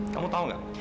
kamu tahu gak